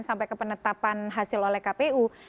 sampai ke penetapan hasil oleh kpu